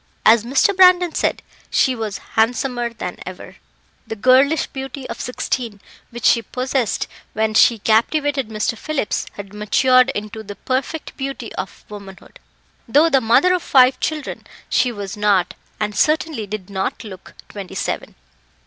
As Mr. Brandon said, she was handsomer than ever; the girlish beauty of sixteen, which she possessed when she captivated Mr. Phillips, had matured into the perfect beauty of womanhood. Though the mother of five children, she was not, and certainly did not look, twenty seven.